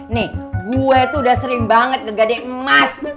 nih gue tuh udah sering banget ke gadein emas